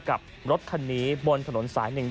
กับรถคันนี้บนถนนสายหนึ่ง